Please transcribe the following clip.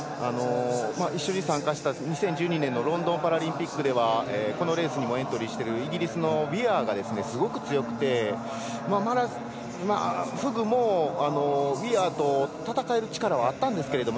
一緒に参加した２０１２年のロンドンパラリンピックではこのレースにもエントリーしているイギリスのウィアーがすごく強くてフグもウィアーと戦える力はあったんですけれども